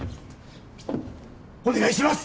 お願いします！